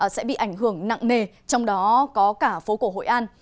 sẽ bị ảnh hưởng nặng nề trong đó có cả phố cổ hội an